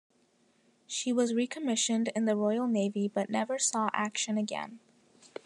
She was recommissioned in the Royal Navy but never saw action again.